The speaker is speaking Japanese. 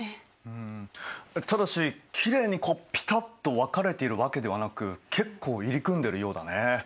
うんただしきれいにピタッと分かれているわけではなく結構入り組んでるようだね。